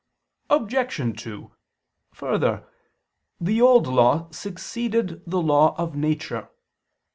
Obj. 2: Further, the Old Law succeeded the law of nature.